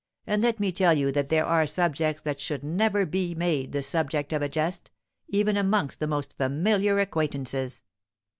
And let me tell you that there are subjects that should never be made the subject of a jest, even amongst the most familiar acquaintances."